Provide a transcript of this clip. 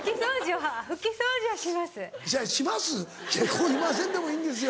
ここ今せんでもいいんですよ。